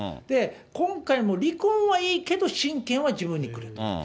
今回も離婚はいいけど親権は自分にくれと。